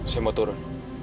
saya mau turun